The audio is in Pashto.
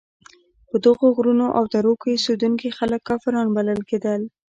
په دغو غرونو او درو کې اوسېدونکي خلک کافران بلل کېدل.